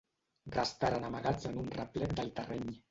Restaren amagats en un replec del terreny.